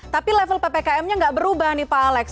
tapi level ppkm nya nggak berubah nih pak alex